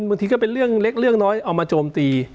มันก็เป็นเรื่องเล็กเรื่องน้อยเอามาโจมตี